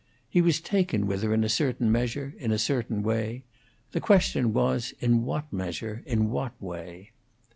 He was taken with her in a certain measure, in a certain way; the question was in what measure, in what way.